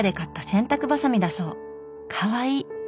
かわいい。